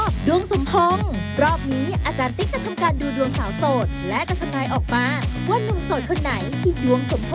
ที่ดวงสมพงษ์กับสาวโสดที่สูตร